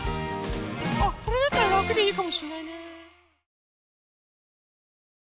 あこれだったららくでいいかもしれないね。